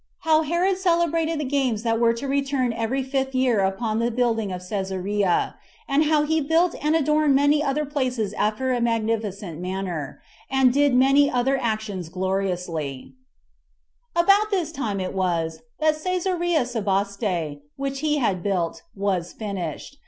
How Herod Celebrated The Games That Were To Return Every Fifth Year Upon The Building Of Cæsarea; And How He Built And Adorned Many Other Places After A Magnificent Manner; And Did Many Other Actions Gloriously 1. About this time it was that Cæsarea Sebaste, which he had built, was finished.